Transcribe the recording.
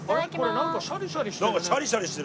なんかシャリシャリしてる。